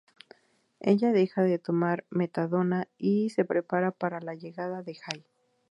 Ella deja de tomar metadona y se prepara para la llegada de Jay.